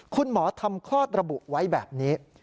คุณหมอทำคลอดระบุไว้แบบนี้